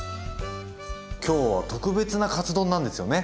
今日は特別なカツ丼なんですよね？